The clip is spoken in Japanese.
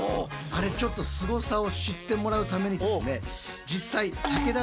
あれちょっとすごさを知ってもらうためにですね